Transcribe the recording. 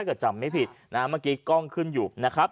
จำไม่ผิดนะฮะเมื่อกี้กล้องขึ้นอยู่นะครับ